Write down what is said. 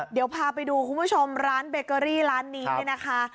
เดี๋ยวพาไปดูคุณผู้ชมร้านเบเกอรี่ร้านนี้เนี่ยนะคะ